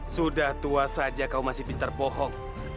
sudah tua saja kau masih pintar bohong